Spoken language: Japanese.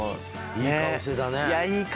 いい顔してましたね。